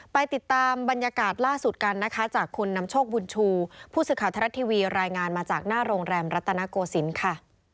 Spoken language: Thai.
ไปติดตามบรรยากาศล่าสุดกันนะคะจากคุณนำโชคบุญชูผู้สื่อข่าวทรัฐทีวีรายงานมาจากหน้าโรงแรมรัตนโกศิลป์ค่ะ